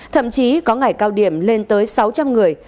thậm chí có ngày cao điểm lên tới sáu trăm linh người